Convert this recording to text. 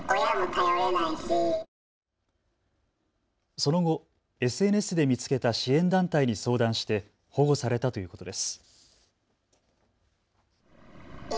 その後、ＳＮＳで見つけた支援団体に相談して保護されたということです。